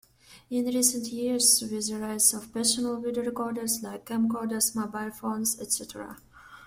In recent years with the rise of personal video recorders like camcorders, mobile phones, etc.